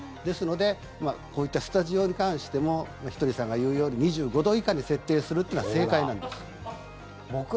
ですのでこういったスタジオに関してもひとりさんが言うように２５度以下に設定するというのは正解なんです。